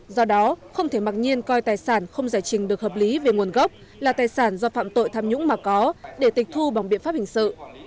do đó không thể mặc nhiên coi tài sản không giải trình được hợp lý về nguồn gốc là tài sản do phạm tội tham nhũng mà có để tịch thu bằng biện pháp hình sự